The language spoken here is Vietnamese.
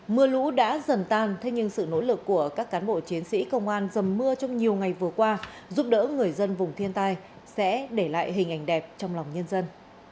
mưa lũ đã dần tan thế nhưng sự nỗ lực của các cán bộ chiến sĩ công an dầm mưa trong nhiều ngày vừa qua giúp đỡ người dân vùng thiên tai sẽ để lại hình ảnh đẹp trong lòng nhân dân